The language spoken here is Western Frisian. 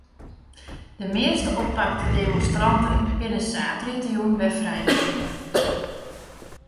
De measte oppakte demonstranten binne saterdeitejûn wer frijlitten.